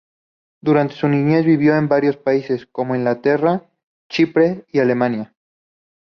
Durante su niñez vivió en varios países —como Inglaterra, Chipre, y Alemania—-.